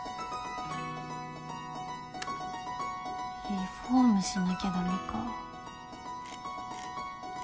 リフォームしなきゃ駄目か。